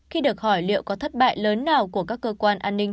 khi được hỏi liệu có thất bại lớn nào của các cơ quan an ninh